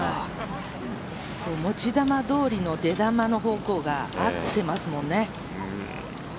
持ち球どおりの出球の方向が合っていますもんね。